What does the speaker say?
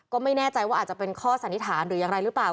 ก็ไม่แน่ใจว่าอาจจะเป็นข้อสันนิษฐานหรืออย่างไรหรือเปล่า